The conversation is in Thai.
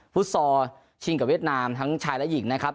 ฟุตซอลชิงกับเวียดนามทั้งชายและหญิงนะครับ